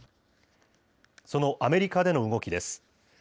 そのアメリカでの動きです。